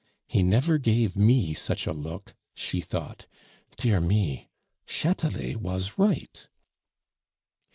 "He never gave me such a look," she thought. "Dear me! Chatelet was right!"